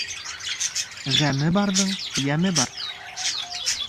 Ғәме барҙың йәме бар.